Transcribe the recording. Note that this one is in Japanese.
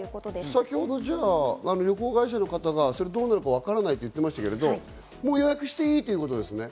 先ほどの旅行会社の方がどうなるかわからないと言っていましたけど、もう予約していいってことですね。